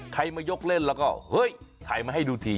ใครมายกเล่นแล้วก็เฮ้ยถ่ายมาให้ดูที